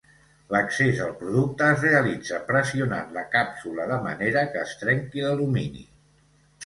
L'accés al producte es realitza pressionant la càpsula de manera que es trenqui l'alumini.